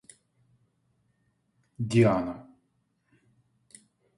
Диана